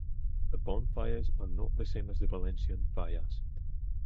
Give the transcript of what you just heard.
The Bonfires are not the same as the Valencian Fallas.